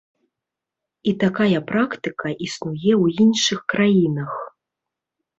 І такая практыка існуе ў іншых краінах.